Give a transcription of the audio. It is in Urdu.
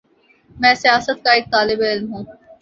میں سیاست کا ایک طالب علم ہوں۔